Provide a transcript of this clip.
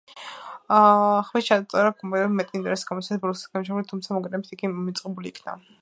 ხმისჩამწერმა კომპანიებმა მეტი ინტერესი გამოიჩინეს ბრუქსის შემოქმედებისადმი, თუმცა მოგვიანებით იგი მივიწყებული იქნა.